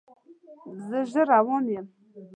زه ژر روان یم